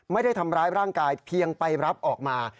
ไม่ได้ทำร้ายร่างกายเพียงไปรับออกมา